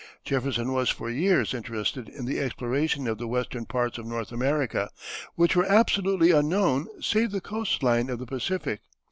Jefferson was for years interested in the exploration of the western parts of North America, which were absolutely unknown save the coast line of the Pacific.